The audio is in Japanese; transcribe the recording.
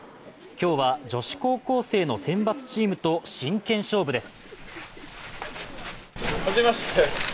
今日は、女子高校生の選抜チームと真剣勝負です。